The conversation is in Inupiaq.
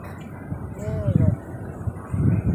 niġiruq